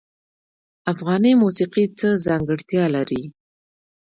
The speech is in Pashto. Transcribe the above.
افغاني موسیقی څه ځانګړتیا لري؟